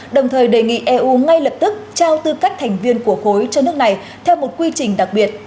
đồng thời đề nghị eu ngay lập tức trao tư cách thành viên của khối cho nước này theo một quy trình đặc biệt